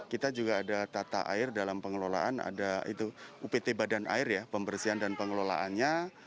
kita juga ada tata air dalam pengelolaan ada itu upt badan air ya pembersihan dan pengelolaannya